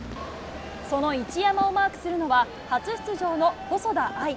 その一山をマークするのは、初出場の細田あい。